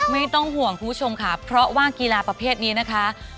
ไม่ต้องห่วงคุณผู้ชมค่ะเพราะว่ากีฬาประเภทนี้นะคะ